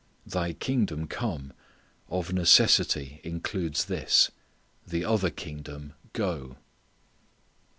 "Thy kingdom come," of necessity includes this, "the other kingdom go."